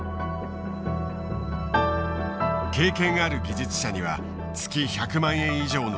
経験ある技術者には月１００万円以上の給料も提示。